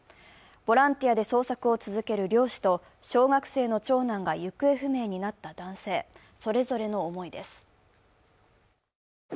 ボランティアで捜索を続ける漁師と小学生の長男が行方不明になった男性、それぞれの思いです。